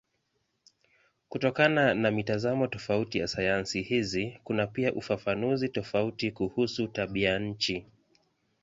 Kutokana na mitazamo tofauti ya sayansi hizi kuna pia ufafanuzi tofauti kuhusu tabianchi.